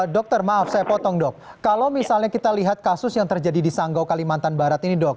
dokter maaf saya potong dok kalau misalnya kita lihat kasus yang terjadi di sanggau kalimantan barat ini dok